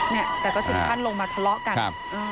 นี่แต่ก็ถึงพันย์ลงมาทะล้อกัน